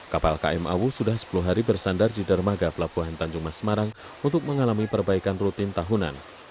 kapal km awu sudah sepuluh hari bersandar di dermaga pelabuhan tanjung mas semarang untuk mengalami perbaikan rutin tahunan